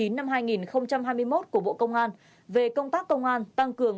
năm hai nghìn hai mươi một của bộ công an về công tác công an tăng cường